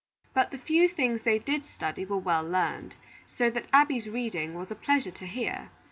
But the few things they did study were well learned; so that Abby's reading was a pleasure to hear.